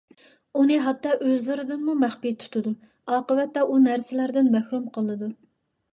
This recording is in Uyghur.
ئۇنى ھەتتا ئۆزلىرىدىنمۇ مەخپى تۇتىدۇ. ئاقىۋەتتە ئۇ نەرسىلەردىن مەھرۇم قالىدۇ.